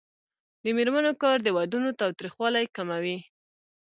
د میرمنو کار د ودونو تاوتریخوالی کموي.